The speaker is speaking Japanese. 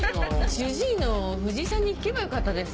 主治医の藤井さんに聞けばよかったです